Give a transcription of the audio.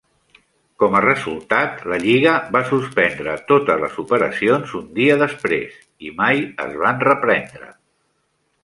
Com a resultat, la lliga va suspendre totes les operacions un dia després i mai es van reprendre.